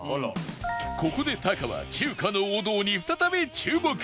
ここでタカは中華の王道に再び注目